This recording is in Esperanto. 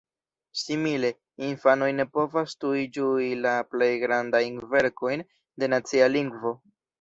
Simile, infanoj ne povas tuj ĝui la plej grandajn verkojn de nacia lingvo!